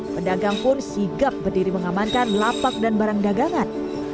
pedagang pun sigap berdiri mengamankan lapak dan barang dagangan